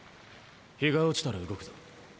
陽が落ちたら動くぞ。